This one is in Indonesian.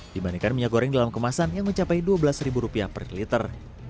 dibandingkan minyak goreng dalam kemasan yang mencapai rp dua belas per liter